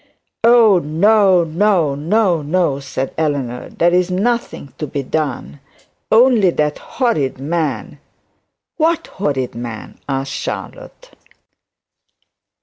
'On, no, no, no, no,' said Eleanor. 'There is nothing to be done. Only that horrid man ' 'What horrid man?' asked Charlotte.